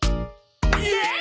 イエーイ！